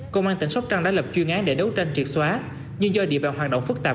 công an tỉnh sóc trăng đã lập chuyên án để đấu tranh triệt xóa nhưng do địa bàn hoạt động phức tạp